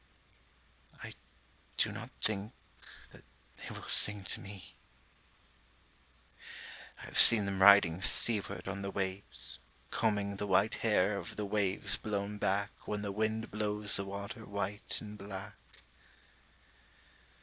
I do not think that they will sing to me. I have seen them riding seaward on the waves Combing the white hair of the waves blown back When the wind blows the water white and black.